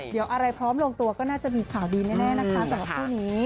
เดี๋ยวอะไรพร้อมลงตัวก็น่าจะมีข่าวดีแน่นะคะสำหรับคู่นี้